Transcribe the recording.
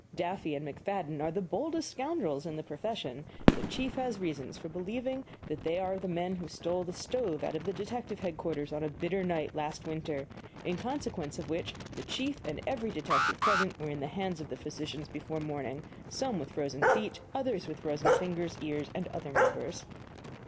Duffy and McFadden are the boldest scoundrels in the profession; the chief has reasons for believing that they are the men who stole the stove out of the detective headquarters on a bitter night last winter in consequence of which the chief and every detective present were in the hands of the physicians before morning, some with frozen feet, others with frozen fingers, ears, and other members.